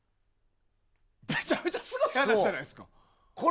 めちゃくちゃすごい話じゃないですか。